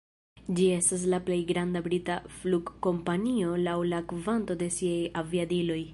Ĝi estas la plej granda brita flugkompanio laŭ la kvanto de siaj aviadiloj.